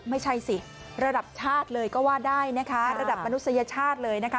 ไม่ใช่สิระดับชาติเลยก็ว่าได้นะคะระดับมนุษยชาติเลยนะคะ